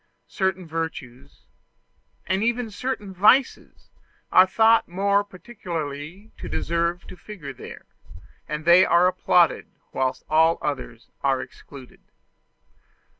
Certain virtues, and even certain vices, are thought more particularly to deserve to figure there; and they are applauded whilst all others are excluded.